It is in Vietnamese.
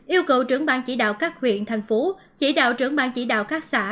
yêu cầu trưởng bang chỉ đạo các huyện thành phố chỉ đạo trưởng bang chỉ đạo các xã